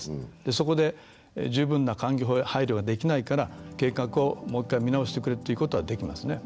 そこで十分な環境配慮ができないから計画をもう１回見直してくれっていうことはできますね。